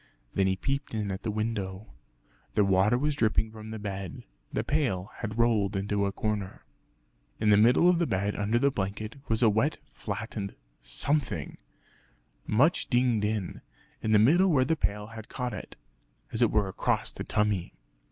Then he peeped in at the window. The water was dripping from the bed, the pail had rolled into a corner. In the middle of the bed under the blanket, was a wet flattened something much dinged in, in the middle where the pail had caught it (as it were across the tummy).